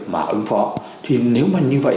mà ứng phó thì nếu mà như vậy